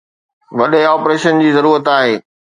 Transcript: وڏي آپريشن جي ضرورت آهي